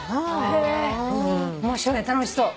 へ面白い楽しそう。